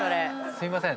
すいません。